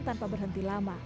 tanpa berhenti lama